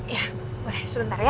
ya boleh sebentar ya